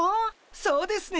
そうですね。